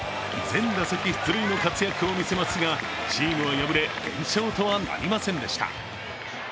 全打席出塁の活躍を見せますが、チームは敗れ、連勝とはなりませんでした。